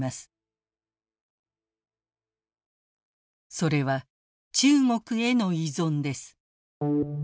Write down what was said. それは中国への依存です。